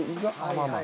まあまあ。